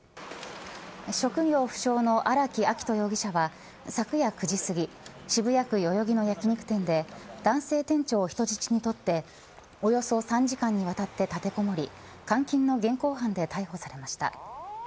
職業不詳の荒木秋冬容疑者は昨夜９時すぎ渋谷区代々木の焼き肉店で男性店長を人質にとっておよそ３時間にわたって立てこもり監禁の現行犯で逮捕されました。